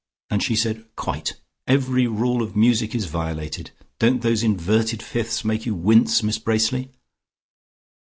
and she said 'Quite. Every rule of music is violated. Don't those inverted fifths make you wince, Miss Bracely?'"